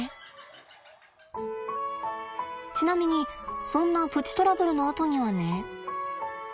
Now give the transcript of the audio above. ちなみにそんなプチトラブルのあとにはね。